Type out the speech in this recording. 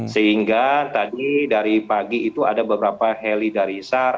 sehingga tadi dari pagi itu ada beberapa heli dari sar